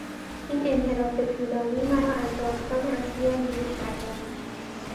این انحراف طولانی مرا از داستان اصلیم دور کرده است.